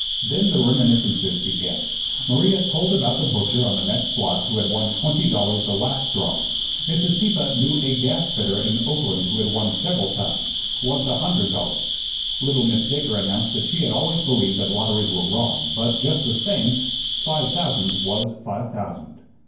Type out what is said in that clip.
Then the reminiscences began. Maria told about the butcher on the next block who had won twenty dollars the last drawing. Mrs. Sieppe knew a gasfitter in Oakland who had won several times; once a hundred dollars. Little Miss Baker announced that she had always believed that lotteries were wrong; but, just the same, five thousand was five thousand.